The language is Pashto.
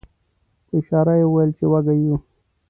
په اشاره یې وویل چې وږي یو.